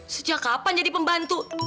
sejak kapan jadi pembantu